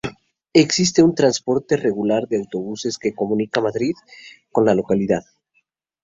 Existe un transporte regular de autobuses que comunica Madrid con la localidad.